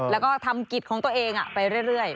แล้วก็ทำกิจของตัวเองไปเรื่อย